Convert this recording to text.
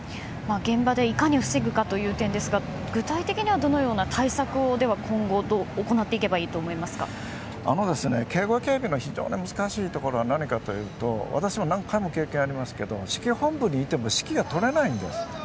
現場でいかに防ぐかという点ですが具体的にはどのような対策を今後警護・警備の非常に難しいところは何かというと私も何回も経験がありますが指揮本部に行っても指揮が執れないんです。